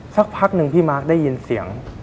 สักพักหนึ่งพี่มาร์คได้ยินเสียง